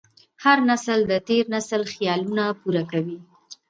هر نسل د تېر نسل خیالونه پوره کوي.